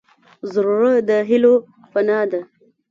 زړه د هيلو پناه ده.